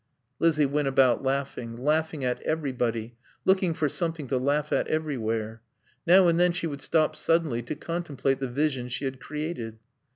Lizzie went about laughing, laughing at everybody, looking for something to laugh at everywhere. Now and then she would stop suddenly to contemplate the vision she had created.